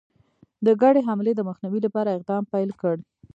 د ګډي حملې د مخنیوي لپاره اقدام پیل کړ.